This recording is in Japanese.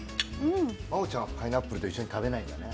真央ちゃんはパイナップルと一緒に食べないんだね。